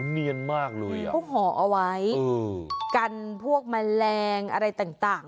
เนียนมากเลยอ่ะห้องหอเอาไว้เออกันพวกแมลงอะไรต่างต่าง